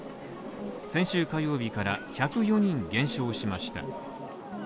先週火曜日から１０４人減少しました。